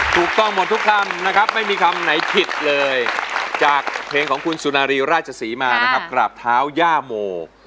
ถูกต้องหมดทุกคำนะครับไม่มีคำไหนผิดเลยจากเพลงของคุณสุนารีราชศรีมานะครับกราบเท้าย่าโม